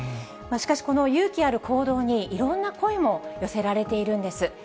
しかしこの勇気ある行動に、いろんな声も寄せられているんです。